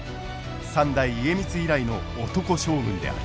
三代家光以来の男将軍である。